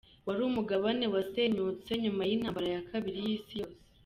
Wari umugabane wasenyutse nyuma y’Intambara ya Kabiri y’Isi yose.